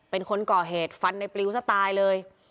เป็นคนก่อเหตุฟันในปลิวซะตายเลย